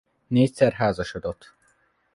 Négyszer házasodott.